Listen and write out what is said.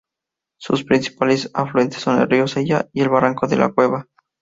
Sus principales afluentes son el río Sella y el barranco de la Cueva.